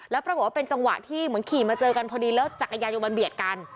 แล้วปรากฏว่าเป็นจังหวะที่เหมือนขี่มาเจอกันพอดีแล้วจักรยานยนมันเบียดกัน